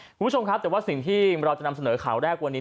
คุณผู้ชมครับแต่ว่าสิ่งที่เราจะนำเสนอข่าวแรกวันนี้